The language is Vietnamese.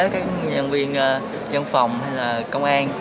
các nhân viên dân phòng hay là công an